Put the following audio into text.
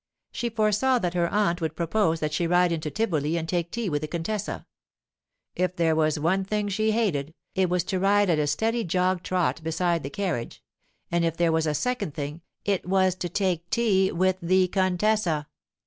She foresaw that her aunt would propose that she ride into Tivoli and take tea with the contessa. If there was one thing she hated, it was to ride at a steady jog trot beside the carriage; and if there was a second thing, it was to take tea with the contessa.